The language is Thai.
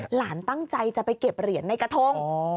หลานตั้งใจจะไปเก็บเหรียญในกระทง